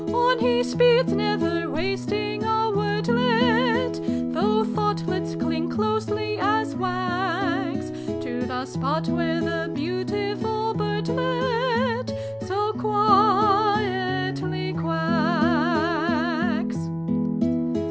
On he speeds, never wasting a wordlet, Though thoughtlets cling, closely as wax, To the spot iv/tere the beautiful birdlet So quietly quacks.